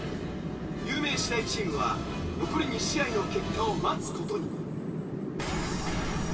有名私大チームは残り２試合の結果を待つ事に！